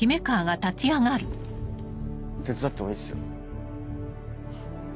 手伝ってもいいですよ。